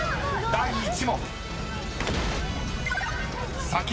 ［第１問］